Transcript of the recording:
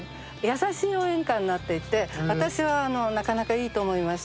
優しい応援歌になっていて私はなかなかいいと思いました。